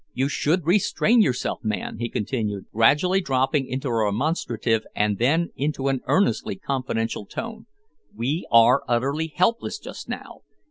You should restrain yourself, man," he continued, gradually dropping into a remonstrative and then into an earnestly confidential tone; "we are utterly helpless just now.